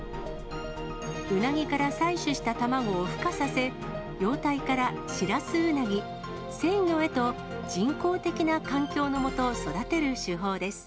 ウナギから採取した卵をふ化させ、幼体からシラスウナギ、成魚へと人工的な環境の下、育てる手法です。